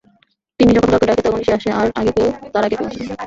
তিন্নি যখন কাউকে ডাকে, তখনি সে আসে, তার আগে কেউ আসে না।